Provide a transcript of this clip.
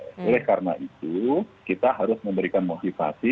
oleh karena itu kita harus memberikan motivasi